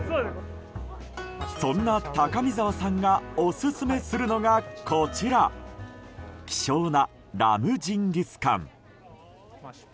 そんな高見澤さんがオススメするのがこちら希少なラムジンギスカン。